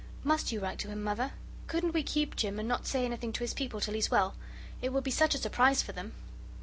Must you write to him, Mother? Couldn't we keep Jim, and not say anything to his people till he's well? It would be such a surprise for them."